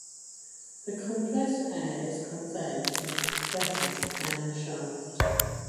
The compressed air is conveyed from the compressors down the shaft.